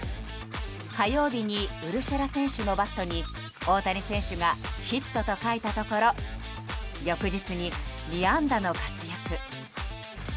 火曜日にウルシェラ選手のバットに大谷選手が「ヒット」と書いたところ翌日に２安打の活躍。